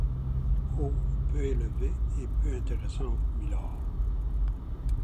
Oh! peu élevées et peu intéressantes, mylord.